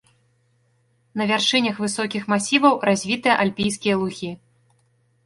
На вяршынях высокіх масіваў развітыя альпійскія лугі.